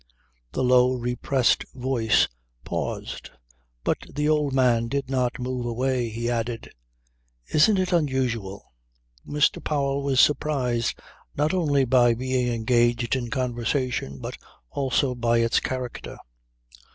The low, repressed voice paused, but the old man did not move away. He added: "Isn't it unusual?" Mr. Powell was surprised not only by being engaged in conversation, but also by its character.